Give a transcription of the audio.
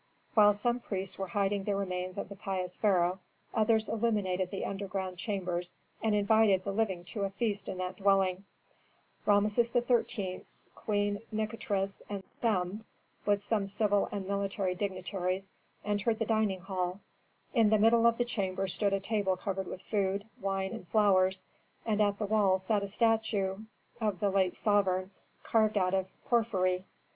While some priests were hiding the remains of the pious pharaoh, others illuminated the underground chambers and invited the living to a feast in that dwelling. Rameses XIII., Queen Nikotris, and Sem, with some civil and military dignitaries entered the dining hall. In the middle of the chamber stood a table covered with food, wine, and flowers, and at the wall sat a statue of the late sovereign carved out of porphyry.